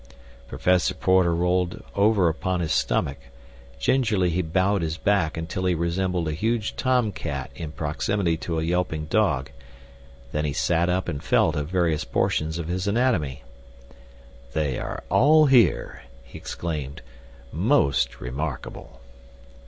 Professor Porter rolled over upon his stomach; gingerly he bowed his back until he resembled a huge tom cat in proximity to a yelping dog. Then he sat up and felt of various portions of his anatomy. "They are all here," he exclaimed. "Most remarkable!"